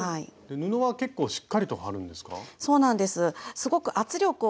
布は結構しっかりと張るんですか？